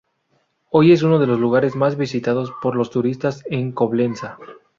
Hoy es uno de los lugares más visitados por los turistas en Coblenza.